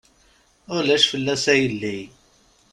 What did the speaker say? Ulac fell-as a yelli.